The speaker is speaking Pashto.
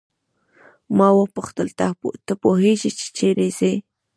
ما وپوښتل ته پوهیږې چې چیرې ځې.